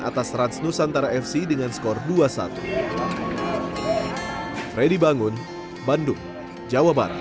atas rans nusantara fc dengan skor dua satu freddy bangun bandung jawa barat